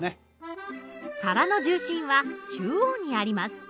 皿の重心は中央にあります。